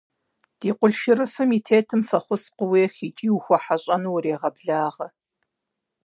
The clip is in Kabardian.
– Ди къулъшырыфым и тетым фӀэхъус къуех икӀи ухуэхьэщӀэну урегъэблагъэ.